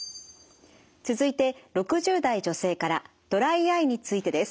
続いて６０代女性からドライアイについてです。